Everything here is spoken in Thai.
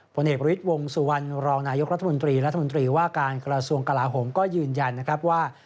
ผลเอกประวิทย์วงสุวรรณรองนายกรัฐมนตรีรัฐมนตรีว่าการกระทรวงกลาโหมก็ยืนยันนะครับว่า